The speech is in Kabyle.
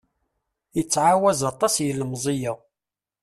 Ittɛawaz aṭas yilemẓi-a.